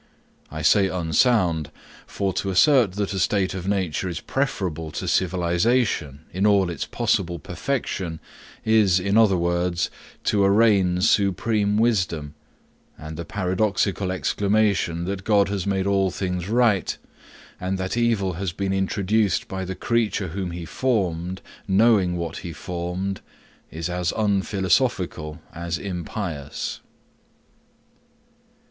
I say unsound; for to assert that a state of nature is preferable to civilization in all its possible perfection, is, in other words, to arraign supreme wisdom; and the paradoxical exclamation, that God has made all things right, and that evil has been introduced by the creature whom he formed, knowing what he formed, is as unphilosophical as impious.